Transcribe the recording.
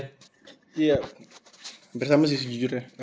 iya hampir sama sih sejujurnya